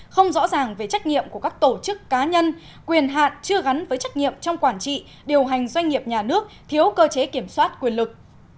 không rõ ràng về trách nhiệm của các tổ chức cá nhân quyền hạn chưa gắn với trách nhiệm trong quản trị điều hành doanh nghiệp nhà nước thiếu cơ chế kiểm soát quyền lực